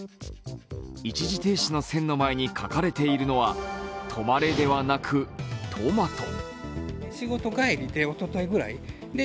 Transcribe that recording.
一時停止の線の前に書かれているのは「トマレ」ではなく「トマト」。